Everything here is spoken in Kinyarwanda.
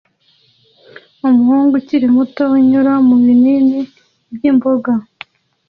Umuhungu ukiri muto unyura mu binini byimboga